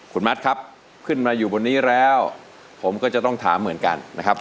คุณมัดครับขึ้นมาอยู่บนนี้แล้วผมก็จะต้องถามเหมือนกันนะครับ